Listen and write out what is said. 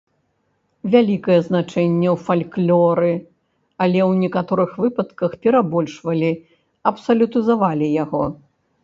Вялікае значэнне ў фальклоры, але ў некаторых выпадках перабольшвалі, абсалютызавалі яго.